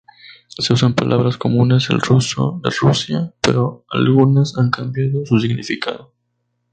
Se usan palabras comunes del ruso de Rusia, pero algunas han cambiado su significado.